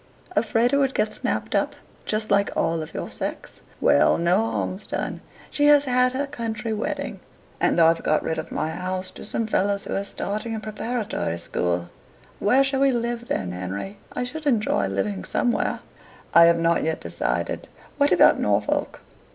Afraid it would get snapped up just like all of your sex. Well, no harm's done. She has had her country wedding, and I've got rid of my house to some fellows who are starting a preparatory school." "Where shall we live, then, Henry? I should enjoy living somewhere." "I have not yet decided. What about Norfolk?"